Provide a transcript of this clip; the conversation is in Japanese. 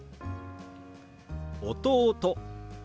「弟」。